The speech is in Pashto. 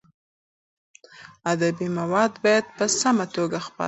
ادبي مواد باید په سمه توګه خپاره شي.